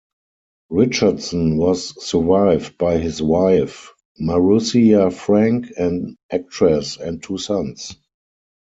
Richardson was survived by his wife, Maroussia Frank, an actress, and two sons.